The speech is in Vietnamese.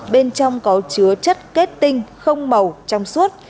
bên trong có chứa chất kết tinh không màu trong suốt